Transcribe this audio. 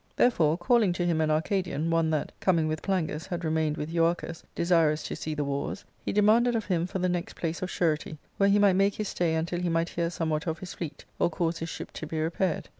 Therefore, calling to him an Arcadian one that, coming with Plangus, had remained with Euarchus, desirous to see the wars — he demanded of him for the next place of surety, where he might make his stay until he might hear somewhat of his fleet, or cause his ship to be repaired.